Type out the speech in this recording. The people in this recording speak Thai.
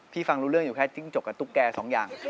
ฟังรู้เรื่องอยู่แค่จิ้งจกกับตุ๊กแก่สองอย่าง